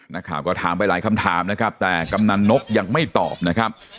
นักข่าวก็ถามไปหลายคำถามนะครับแต่กำนันนกยังไม่ตอบนะครับ